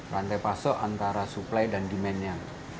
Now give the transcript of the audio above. rantai pasok antara supply dan demandnya